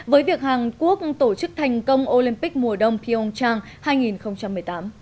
với việc hàn quốc tổ chức thành công olympic mùa đông pyeongchang hai nghìn một mươi tám